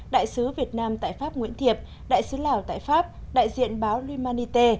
đại sứ việt nam tại pháp nguyễn thiệp đại sứ lào tại pháp đại diện báo l humanité